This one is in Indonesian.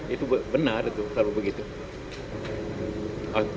itu benar itu kalau begitu